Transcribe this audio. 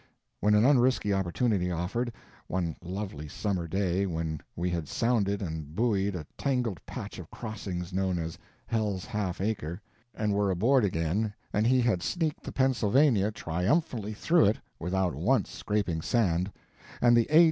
When an unrisky opportunity offered, one lovely summer day, when we had sounded and buoyed a tangled patch of crossings known as Hell's Half Acre, and were aboard again and he had sneaked the Pennsylvania triumphantly through it without once scraping sand, and the _A.